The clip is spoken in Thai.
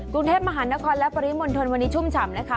กรุงเทพมหานครและปริมณฑลวันนี้ชุ่มฉ่ำนะคะ